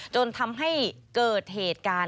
จนทำให้เกิดเหตุการณ์